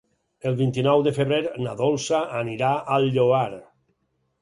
El vint-i-nou de febrer na Dolça anirà al Lloar.